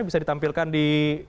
bisa ditampilkan di